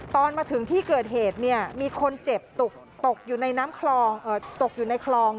ตอนมาถึงที่เกิดเหตุมีคนเจ็บตกอยู่ในคลอง๑คน